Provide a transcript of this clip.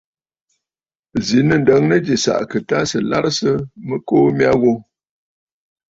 Zǐ nɨ̂ ǹdəŋnə jì sàʼàkə̀ tâ sɨ̀ larɨsə mɨkuu mya ghu.